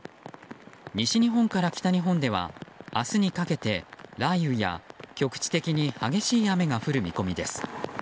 西日本から北日本では明日にかけて雷雨や局地的に激しい雨が降る見込みです。